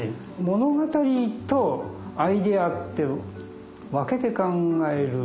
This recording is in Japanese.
物語とアイデアって分けて考える。